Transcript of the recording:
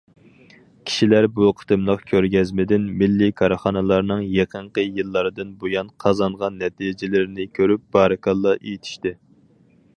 كىشىلەر بۇ قېتىملىق كۆرگەزمىدىن مىللىي كارخانىلارنىڭ يېقىنقى يىللاردىن بۇيان قازانغان نەتىجىلىرىنى كۆرۈپ بارىكاللا ئېيتىشتى.